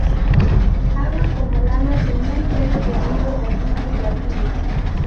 Ava como Lana tenía el pelo teñido de rubio platino.